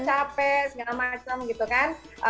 capek segala macam gitu kan